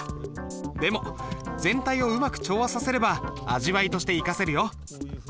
でも全体をうまく調和させれば味わいとして生かせるよ。